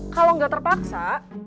kalau gak terpaksa